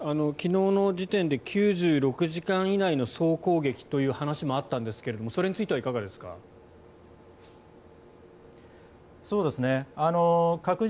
昨日の時点で９６時間以内の総攻撃という話もあったんですがそれについてはいかがですか。